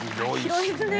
広いですね